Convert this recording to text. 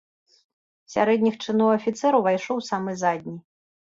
Сярэдніх чыноў афіцэр увайшоў самы задні.